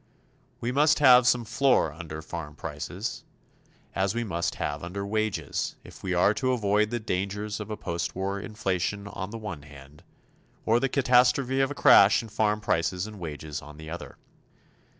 We must have some floor under farm prices, as we must have under wages, if we are to avoid the dangers of a postwar inflation on the one hand, or the catastrophe of a crash in farm prices and wages on the other.